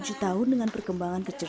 jadi mungkin ya meng sorcer